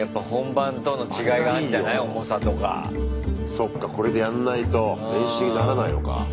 そっかこれでやんないと練習にならないのか。